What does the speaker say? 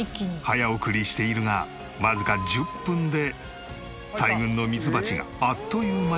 早送りしているがわずか１０分で大群のミツバチがあっという間に巣箱の中に。